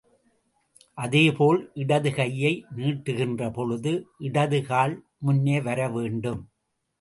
அதேபோல் இடது கையை நீட்டுகின்றபொழுது, இடது கால் முன்னே வர வேண்டும்.